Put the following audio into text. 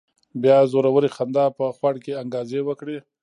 بيا زورورې خندا په خوړ کې انګازې وکړې.